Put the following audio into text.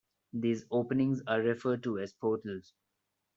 These openings are referred to as "portals".